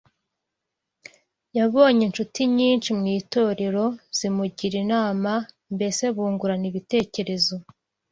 yabonye incuti nyinshi mu itorero zimugira inama mbese bungurana ibitekerezo